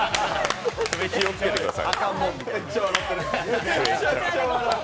気をつけてください。